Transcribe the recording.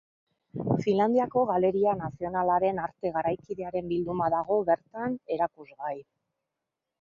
Finlandiako Galeria Nazionalaren arte garaikidearen bilduma dago bertan erakusgai.